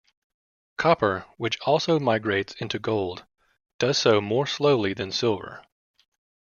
Copper, which also migrates into gold, does so more slowly than silver.